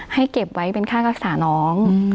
เก็บไว้เป็นค่ารักษาน้อง